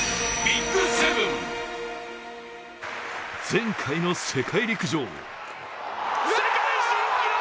前回の世界陸上。